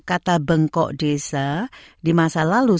kata bengkok desa di masa lalu